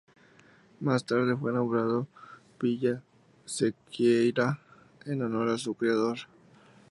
Más tarde fue nombrado Villa Sequeira, en honor de su creador.